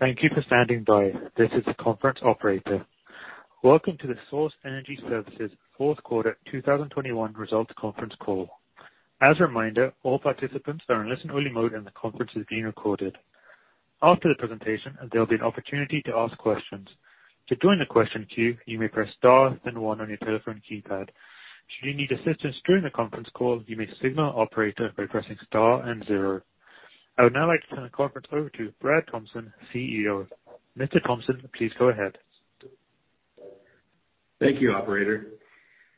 Thank you for standing by. This is the conference operator. Welcome to the Source Energy Services fourth quarter 2021 results conference call. As a reminder, all participants are in listen only mode, and the conference is being recorded. After the presentation, there'll be an opportunity to ask questions. To join the question queue, you may press star then one on your telephone keypad. Should you need assistance during the conference call, you may signal operator by pressing star and zero. I would now like to turn the conference over to Brad Thomson, Chief Executive Officer. Mr. Thomson, please go ahead. Thank you, operator.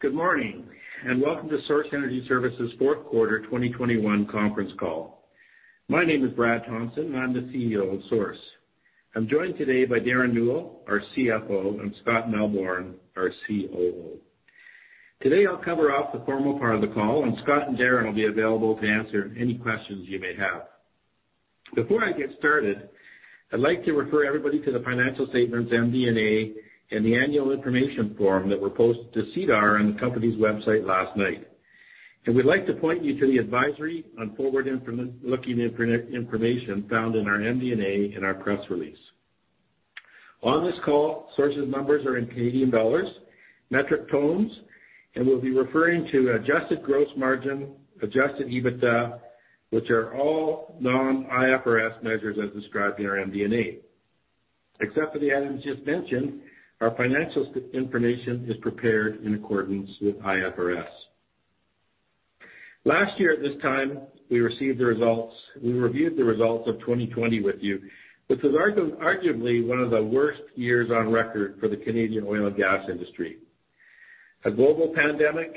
Good morning and welcome to Source Energy Services fourth quarter 2021 conference call. My name is Brad Thomson, and I'm the Chief Executive Officer of Source. I'm joined today by Derren Newell, our Chief Financial Officer, and Scott Melbourn, our Chief Operating Officer. Today, I'll cover all the formal part of the call, and Scott and Derren will be available to answer any questions you may have. Before I get started, I'd like to refer everybody to the financial statements MD&A and the annual information form that were posted to SEDAR on the company's website last night. We'd like to point you to the advisory on forward-looking information found in our MD&A in our press release. On this call, Source's numbers are in Canadian dollars, metric tons, and we'll be referring to adjusted gross margin, adjusted EBITDA, which are all non-IFRS measures as described in our MD&A. Except for the items just mentioned, our financial information is prepared in accordance with IFRS. Last year at this time, we reviewed the results of 2020 with you, which was arguably one of the worst years on record for the Canadian oil and gas industry. A global pandemic,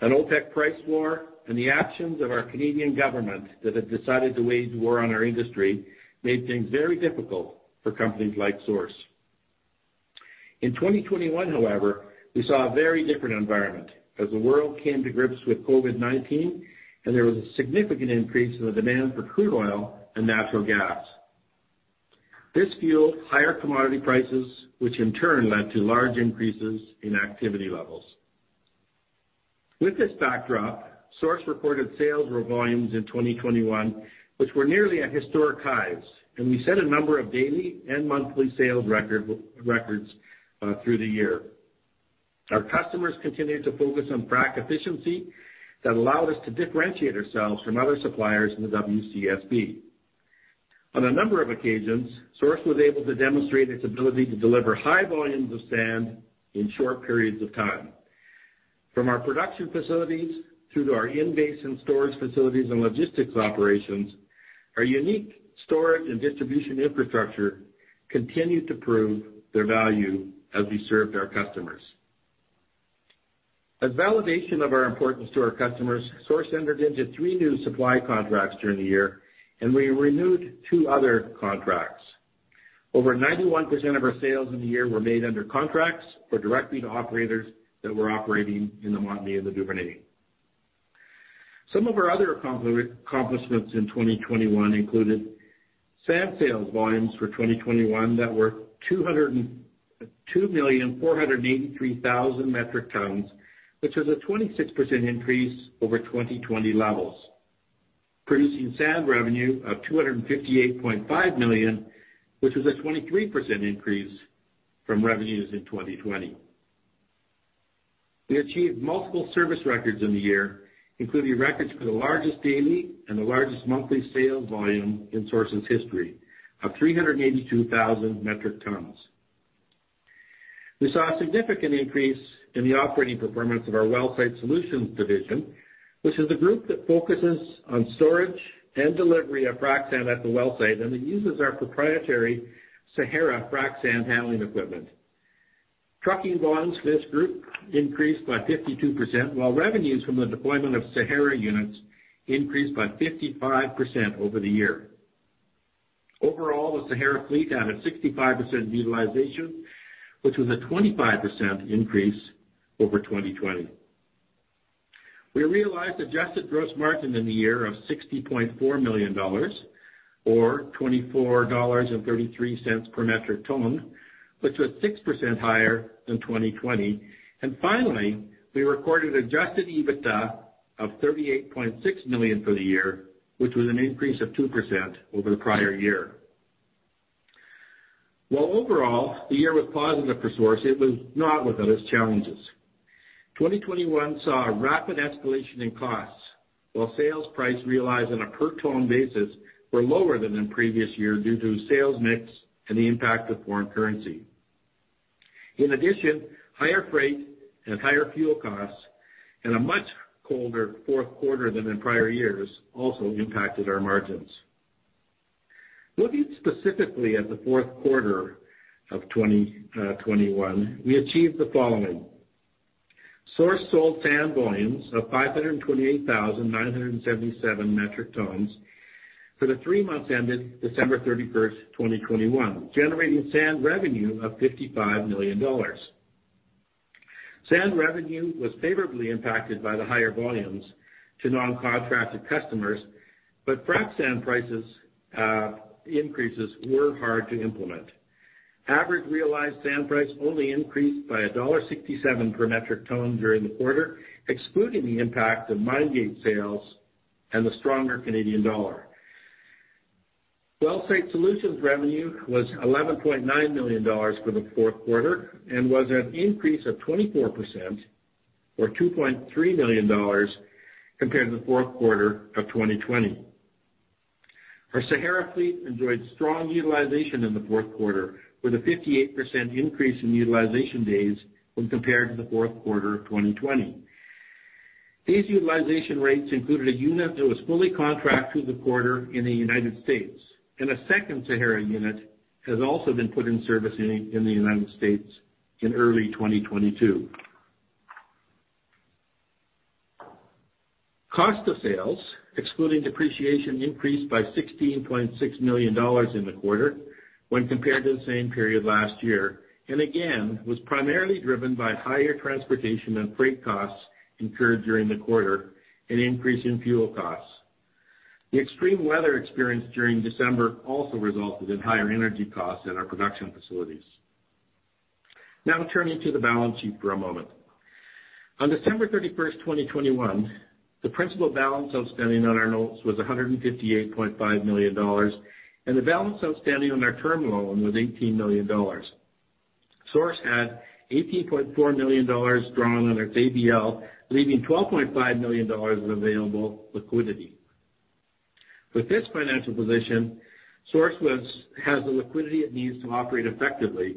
an OPEC price war, and the actions of our Canadian government that have decided to wage war on our industry made things very difficult for companies like Source. In 2021, however, we saw a very different environment as the world came to grips with COVID-19 and there was a significant increase in the demand for crude oil and natural gas. This fueled higher commodity prices, which in turn led to large increases in activity levels. With this backdrop, Source reported sales volumes in 2021, which were nearly at historic highs, and we set a number of daily and monthly sales records through the year. Our customers continued to focus on frac efficiency that allowed us to differentiate ourselves from other suppliers in the WCSB. On a number of occasions, Source was able to demonstrate its ability to deliver high volumes of sand in short periods of time. From our production facilities through to our in-basin storage facilities and logistics operations, our unique storage and distribution infrastructure continued to prove their value as we served our customers. As validation of our importance to our customers, Source entered into three new supply contracts during the year, and we renewed two other contracts. Over 91% of our sales in the year were made under contracts or directly to operators that were operating in the Montney and the Duvernay. Some of our other accomplishments in 2021 included sand sales volumes for 2021 that were 202,483,000 metric tons, which was a 26% increase over 2020 levels, producing sand revenue of 258.5 million, which was a 23% increase from revenues in 2020. We achieved multiple service records in the year, including records for the largest daily and the largest monthly sales volume in Source's history of 382,000 metric tons. We saw a significant increase in the operating performance of our Wellsite Solutions division, which is the group that focuses on storage and delivery of frac sand at the well site, and it uses our proprietary Sahara frac sand handling equipment. Trucking volumes for this group increased by 52%, while revenues from the deployment of Sahara units increased by 55% over the year. Overall, the Sahara fleet had a 65% utilization, which was a 25% increase over 2020. We realized Adjusted Gross Margin in the year of 60.4 million dollars or 24.33 dollars per metric ton, which was 6% higher than 2020. Finally, we recorded adjusted EBITDA of 38.6 million for the year, which was an increase of 2% over the prior year. While overall the year was positive for Source, it was not without its challenges. 2021 saw a rapid escalation in costs, while sales price realized on a per ton basis were lower than in previous year due to sales mix and the impact of foreign currency. In addition, higher freight and higher fuel costs and a much colder fourth quarter than in prior years also impacted our margins. Looking specifically at the fourth quarter of 2021, we achieved the following. Source sold sand volumes of 528,977 metric tons for the three months ended December 31st, 2021, generating sand revenue of 55 million dollars. Sand revenue was favorably impacted by the higher volumes to non-contracted customers, but frac sand prices increases were hard to implement. Average realized sand price only increased by dollar 1.67 per metric ton during the quarter, excluding the impact of mine gate sales and the stronger Canadian dollar. Wellsite Solutions revenue was 11.9 million dollars for the fourth quarter and was an increase of 24% or 2.3 million dollars compared to the fourth quarter of 2020. Our Sahara fleet enjoyed strong utilization in the fourth quarter, with a 58% increase in utilization days when compared to the fourth quarter of 2020. These utilization rates included a unit that was fully contracted through the quarter in the United States, and a second Sahara unit has also been put in service in the United States in early 2022. Cost of sales, excluding depreciation, increased by 16.6 million dollars in the quarter when compared to the same period last year, and again was primarily driven by higher transportation and freight costs incurred during the quarter, an increase in fuel costs. The extreme weather experienced during December also resulted in higher energy costs at our production facilities. Now turning to the balance sheet for a moment. On December 31st, 2021, the principal balance outstanding on our notes was 158.5 million dollars, and the balance outstanding on our term loan was 18 million dollars. Source had 18.4 million dollars drawn on its ABL, leaving 12.5 million dollars of available liquidity. With this financial position, Source has the liquidity it needs to operate effectively,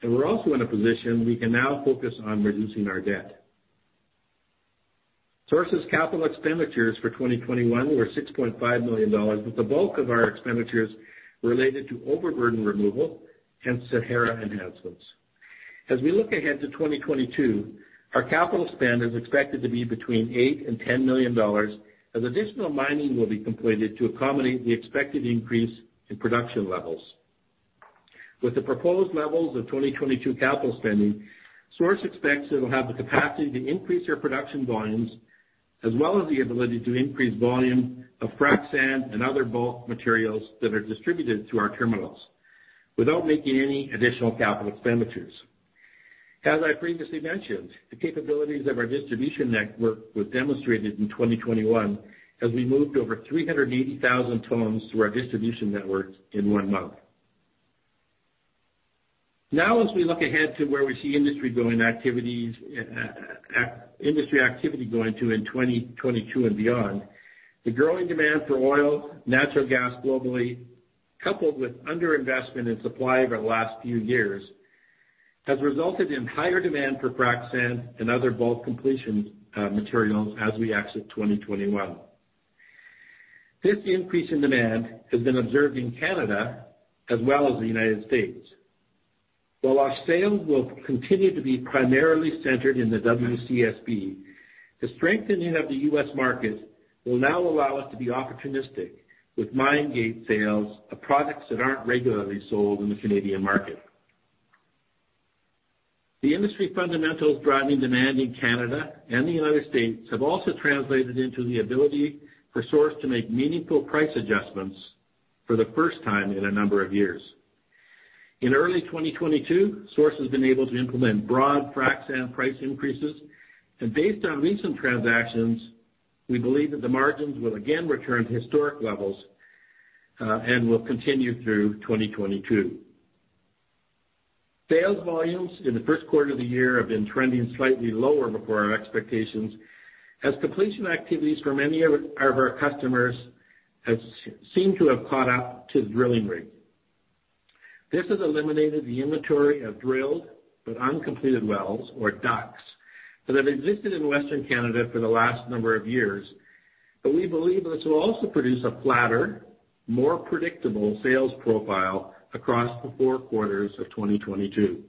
and we're also in a position we can now focus on reducing our debt. Source's capital expenditures for 2021 were 6.5 million dollars, with the bulk of our expenditures related to overburden removal and Sahara enhancements. As we look ahead to 2022, our capital spend is expected to be between 8 million and 10 million dollars as additional mining will be completed to accommodate the expected increase in production levels. With the proposed levels of 2022 capital spending, Source expects it will have the capacity to increase their production volumes as well as the ability to increase volume of frac sand and other bulk materials that are distributed through our terminals without making any additional capital expenditures. As I previously mentioned, the capabilities of our distribution network were demonstrated in 2021, as we moved over 380,000 tons through our distribution networks in one month. Now, as we look ahead to where we see industry activity going to in 2022 and beyond, the growing demand for oil, natural gas globally, coupled with underinvestment in supply over the last few years, has resulted in higher demand for frac sand and other bulk completion materials as we exit 2021. This increase in demand has been observed in Canada as well as the United States. While our sales will continue to be primarily centered in the WCSB, the strengthening of the U.S. market will now allow us to be opportunistic with mine gate sales of products that aren't regularly sold in the Canadian market. The industry fundamentals driving demand in Canada and the United States have also translated into the ability for Source to make meaningful price adjustments for the first time in a number of years. In early 2022, Source has been able to implement broad frac sand price increases, and based on recent transactions, we believe that the margins will again return to historic levels and will continue through 2022. Sales volumes in the first quarter of the year have been trending slightly lower than our expectations, as completion activities for many of our customers has seemed to have caught up to the drilling rate. This has eliminated the inventory of drilled but uncompleted wells, or DUCs, that have existed in Western Canada for the last number of years. We believe this will also produce a flatter, more predictable sales profile across the four quarters of 2022.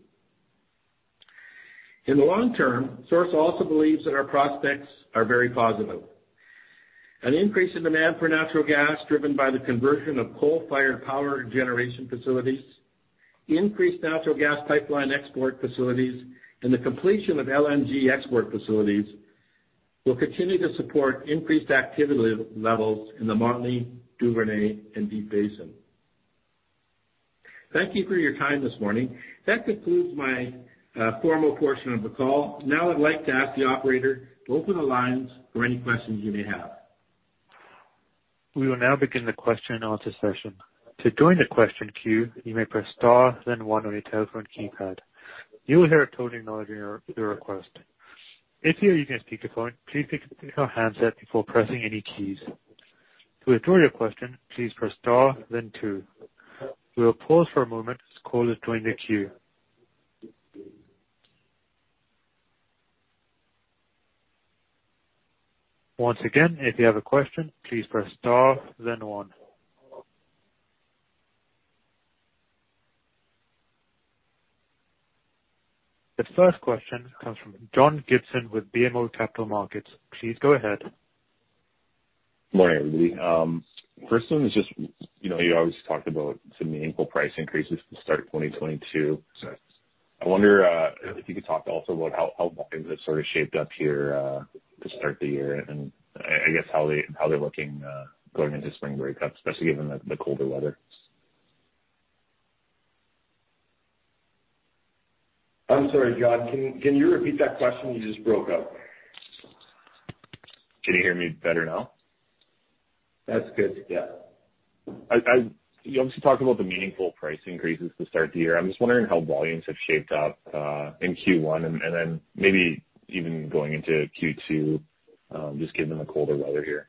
In the long term, Source also believes that our prospects are very positive. An increase in demand for natural gas driven by the conversion of coal-fired power generation facilities, increased natural gas pipeline export facilities, and the completion of LNG export facilities will continue to support increased activity levels in the Montney, Duvernay and Deep Basin. Thank you for your time this morning. That concludes my formal portion of the call. Now I'd like to ask the operator to open the lines for any questions you may have. We will now begin the question and answer session. To join the question queue, you may press star then one on your telephone keypad. You will hear a tone acknowledging your request. If you are using a speakerphone, please pick up the handset before pressing any keys. To withdraw your question, please press star then two. We will pause for a moment as callers join the queue. Once again, if you have a question, please press star then one. The first question comes from John Gibson with BMO Capital Markets. Please go ahead. Morning, everybody. First one is just, you know, you always talked about some meaningful price increases to start 2022. I wonder if you could talk also about how volumes have sort of shaped up here to start the year and I guess how they're looking going into spring breakup, especially given the colder weather. I'm sorry, John, can you repeat that question? You just broke up. Can you hear me better now? That's good, yeah. You obviously talked about the meaningful price increases to start the year. I'm just wondering how volumes have shaped up in Q1 and then maybe even going into Q2, just given the colder weather here?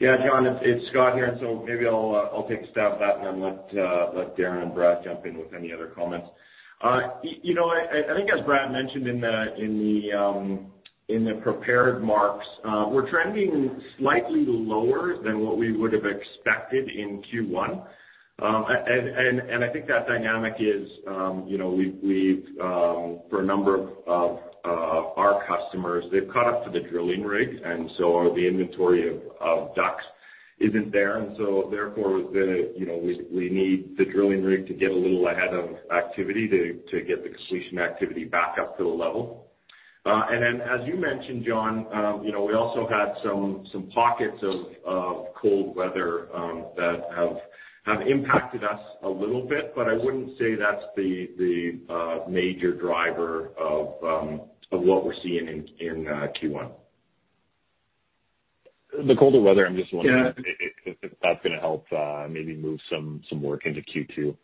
Yeah, John, it's Scott here. Maybe I'll take a stab at that and then let Darren and Brad jump in with any other comments. You know, I think as Brad mentioned in the prepared remarks, we're trending slightly lower than what we would have expected in Q1. And I think that dynamic is, you know, we've for a number of our customers, they've caught up to the drilling rigs, and so the inventory of DUCs isn't there. Therefore, you know, we need the drilling rig to get a little ahead of activity to get the completion activity back up to the level. As you mentioned, John, you know, we also had some pockets of cold weather that have impacted us a little bit, but I wouldn't say that's the major driver of what we're seeing in Q1. The colder weather, I'm just wondering. Yeah. If that's gonna help, maybe move some work into Q2.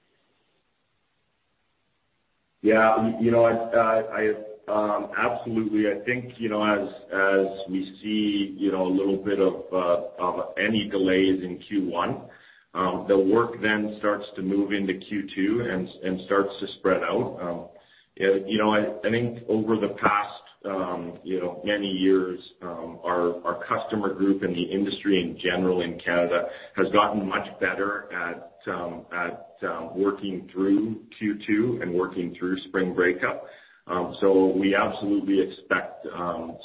Yeah, you know, absolutely. I think, you know, as we see, you know, a little bit of any delays in Q1, the work then starts to move into Q2 and starts to spread out. You know, I think over the past, you know, many years, our customer group and the industry in general in Canada has gotten much better at working through Q2 and working through spring breakup. So we absolutely expect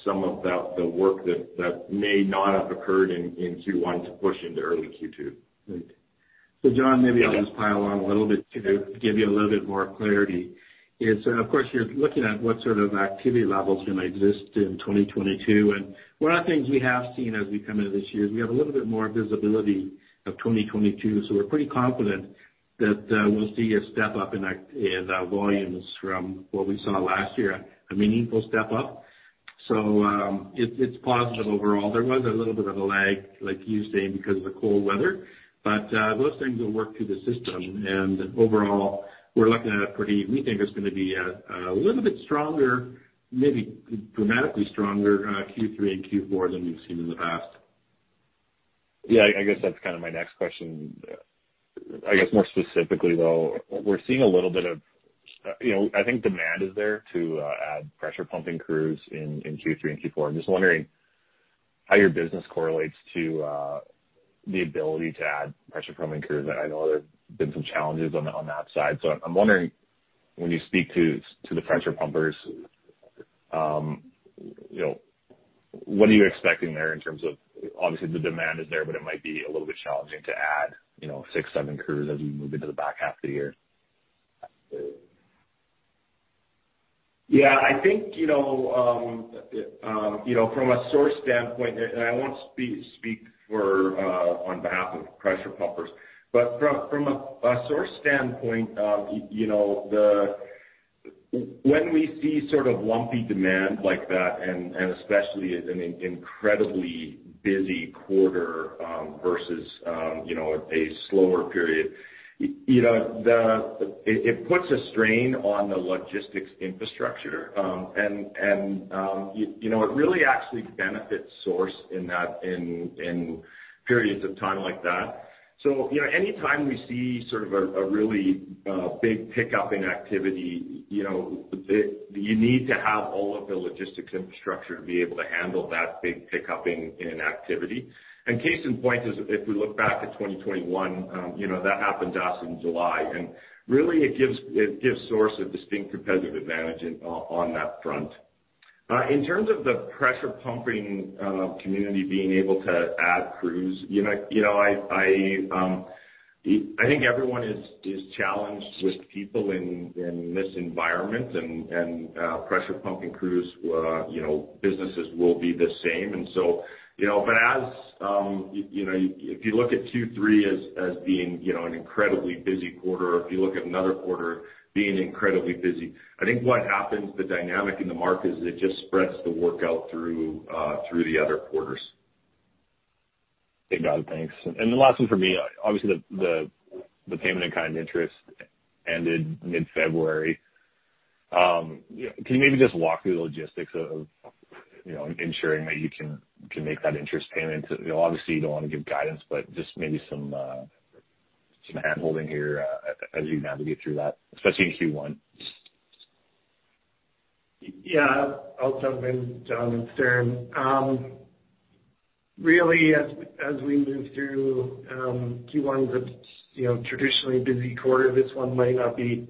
some of that, the work that may not have occurred in Q1 to push into early Q2. John, maybe I'll just pile on a little bit to give you a little bit more clarity. Of course, you're looking at what sort of activity levels gonna exist in 2022. One of the things we have seen as we come into this year is we have a little bit more visibility of 2022. We're pretty confident that we'll see a step up in that, in the volumes from what we saw last year, a meaningful step up. It's positive overall. There was a little bit of a lag, like you say, because of the cold weather. Those things will work through the system. Overall, we think it's gonna be a little bit stronger, maybe dramatically stronger, Q3 and Q4 than we've seen in the past. Yeah, I guess that's kinda my next question. I guess more specifically though, we're seeing a little bit of, you know, I think demand is there to add pressure pumping crews in Q3 and Q4. I'm just wondering how your business correlates to the ability to add pressure pumping crews. I know there have been some challenges on that side. I'm wondering, when you speak to the pressure pumpers, you know, what are you expecting there in terms of obviously the demand is there, but it might be a little bit challenging to add, you know, six crews, seven crews as we move into the back half of the year. Yeah. I think you know, from a Source standpoint, and I won't speak for on behalf of pressure pumpers, but from a Source standpoint, you know, when we see sort of lumpy demand like that, and especially in an incredibly busy quarter, versus you know, a slower period, you know, it puts a strain on the logistics infrastructure. You know, it really actually benefits Source in that in periods of time like that. You know, anytime we see sort of a really big pickup in activity, you know, you need to have all of the logistics infrastructure to be able to handle that big pickup in activity. Case in point is if we look back at 2021, that happened to us in July. Really it gives Source a distinct competitive advantage on that front. In terms of the pressure pumping community being able to add crews, I think everyone is challenged with people in this environment and pressure pumping crews businesses will be the same. If you look at Q3 as being an incredibly busy quarter, if you look at another quarter being incredibly busy, I think what happens is the dynamic in the market is it just spreads the work out through the other quarters. Got it, thanks. The last one for me, obviously the payment in kind interest ended mid-February. Can you maybe just walk through the logistics of, you know, ensuring that you can make that interest payment? Obviously, you don't wanna give guidance, but just maybe some handholding here, as you navigate through that, especially in Q1. Yeah. I'll jump in, John and Derren. Really, as we move through Q1, the you know, traditionally busy quarter, this one might not be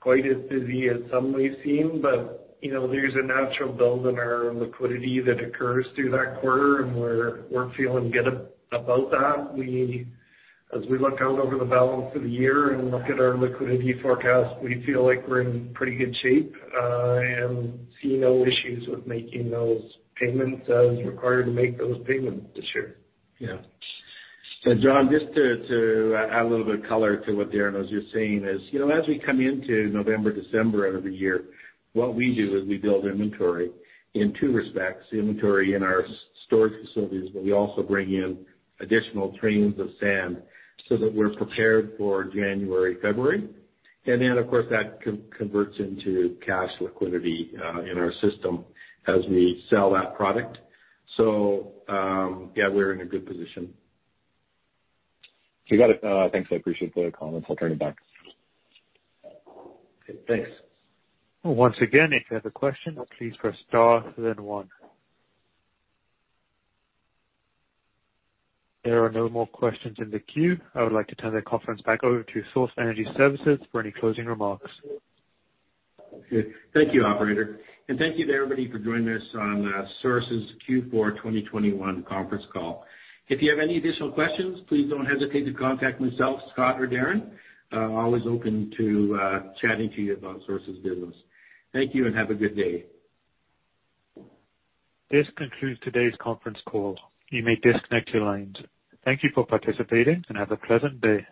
quite as busy as some may seem, but you know, there's a natural build in our liquidity that occurs through that quarter, and we're feeling good about that. As we look out over the balance of the year and look at our liquidity forecast, we feel like we're in pretty good shape, and see no issues with making those payments as required this year. Yeah. John, just to add a little bit of color to what Darren was just saying, you know, as we come into November, December out of the year, what we do is we build inventory in two respects, inventory in our storage facilities, but we also bring in additional trains of sand so that we're prepared for January, February. Then, of course, that converts into cash liquidity in our system as we sell that product. Yeah, we're in a good position. We got it. Thanks. I appreciate the comments. I'll turn it back. Thanks. Once again, if you have a question, please press star then one. There are no more questions in the queue. I would like to turn the conference back over to Source Energy Services for any closing remarks. Good. Thank you, operator. Thank you to everybody for joining us on Source's Q4 2021 conference call. If you have any additional questions, please don't hesitate to contact myself, Scott or Darren. Always open to chatting to you about Source's business. Thank you and have a good day. This concludes today's conference call. You may disconnect your lines. Thank you for participating and have a pleasant day.